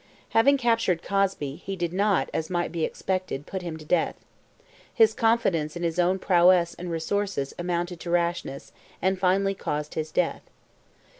Having captured Cosby, he did not, as might be expected, put him to death. His confidence in his own prowess and resources amounted to rashness, and finally caused his death.